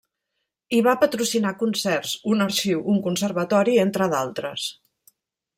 I va patrocinar concerts, un arxiu, un conservatori entre d’altres.